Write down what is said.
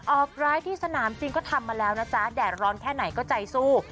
ออกร้ายที่สนามจริงก็ทำมาแล้วนะจ๊ะแดดร้อนแค่ไหนก็ใจสู้